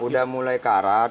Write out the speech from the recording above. sudah mulai karat